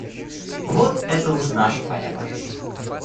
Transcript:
Вот это уж наши поля пошли.